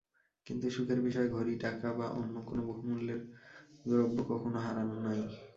কিন্তু সুখের বিষয়, ঘড়ি টাকা বা অন্য কোনো বহুমূল্য দ্রব্য কখনো হারান নাই।